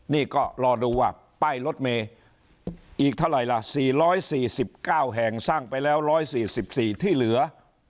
นี่ก็รอดูว่าป้ายรถเมย์อีกเท่าไหร่ล่ะ๔๔๙แห่งสร้างไปแล้ว๑๔๔ที่เหลือ